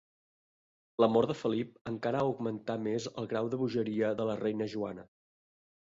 La mort de Felip encara augmentà més el grau de bogeria de la reina Joana.